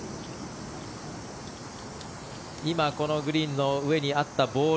今、このグリーンの上にあったボール